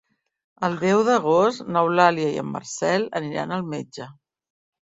El deu d'agost n'Eulàlia i en Marcel aniran al metge.